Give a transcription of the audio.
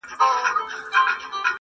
هر یوه ته خپل قسمت وي رسېدلی -